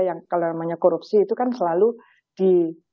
yang kalau namanya korupsi itu kan selalu di